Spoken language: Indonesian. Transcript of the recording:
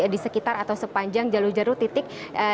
di sekitar atau sepanjang jalur jalur titik